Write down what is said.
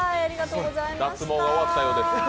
脱毛が終わったようです。